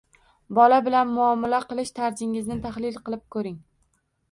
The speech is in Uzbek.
Bola bilan muomala qilish tarzingizni tahlil qilib ko‘ring